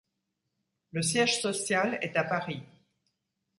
Le siège social est à Paris.